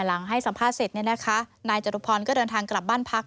ให้สัมภาษณ์เสร็จเนี่ยนะคะนายจตุพรก็เดินทางกลับบ้านพัก